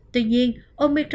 tuy nhiên omicron